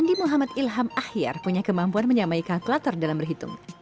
andi muhammad ilham ahyar punya kemampuan menyamai kalkulator dalam berhitung